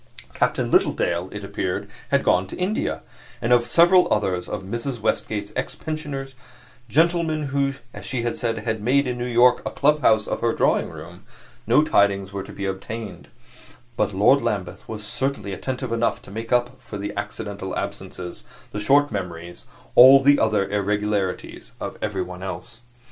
Captain Littledale, it appeared, had gone to India; and of several others of Mrs. Westgate's ex pensioners gentlemen who, as she said, had made, in New York, a clubhouse of her drawing room no tidings were to be obtained; but Lord Lambeth was certainly attentive enough to make up for the accidental absences, the short memories, all the other irregularities of everyone else.